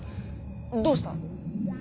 どうした？